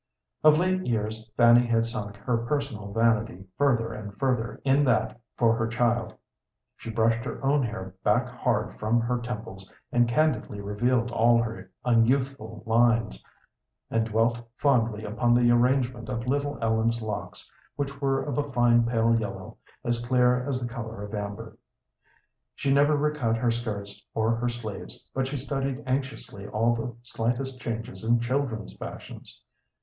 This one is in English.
Of late years Fanny had sunk her personal vanity further and further in that for her child. She brushed her own hair back hard from her temples, and candidly revealed all her unyouthful lines, and dwelt fondly upon the arrangement of little Ellen's locks, which were of a fine, pale yellow, as clear as the color of amber. She never recut her skirts or her sleeves, but she studied anxiously all the slightest changes in children's fashions.